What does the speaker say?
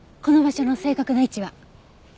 この場所の正確な位置は？